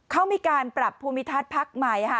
เขามีการปรับภูมิทัศน์ภาคใหม่